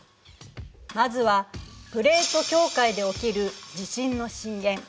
まずはプレート境界で起きる地震の震源。